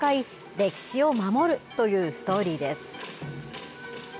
歴史を守るというストーリーです。